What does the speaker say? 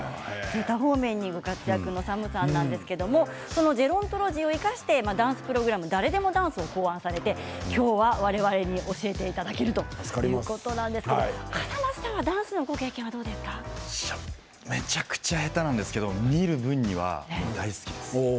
多方面にご活躍のＳＡＭさんなんですけれどもそのジェロントロジーを生かしてダンスプログラムダレデモダンスを考案されて今日は我々に教えていただけるということなんですけれども笠松さんはダンスのご経験はめちゃくちゃ下手なんですけれども見る分には大好きです。